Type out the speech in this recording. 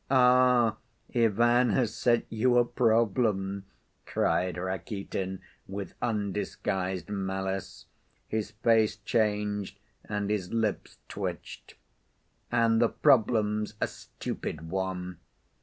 Ah, Ivan has set you a problem!" cried Rakitin, with undisguised malice. His face changed, and his lips twitched. "And the problem's a stupid one.